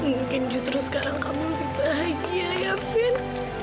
mungkin justru sekarang kamu lebih bahagia ya fin